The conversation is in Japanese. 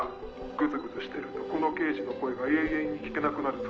グズグズしてるとこの刑事の声が永遠に聞けなくなるぞ。